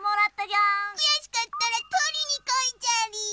くやしかったらとりにこいじゃりー。